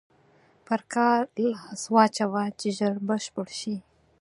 پر کار لاس واچوه چې ژر بشپړ شي.